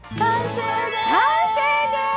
完成です！